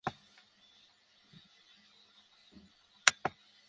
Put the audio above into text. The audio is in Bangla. খবর পেয়ে ফায়ার সার্ভিসের কর্মীরা ঘটনাস্থলে গিয়ে আগুন নেভানোর চেষ্টা চালাচ্ছেন।